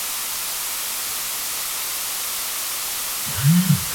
San Esteban es, de hecho, la única parroquia burgalesa que posee estas dos dependencias.